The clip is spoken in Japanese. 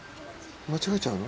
間違えちゃうの？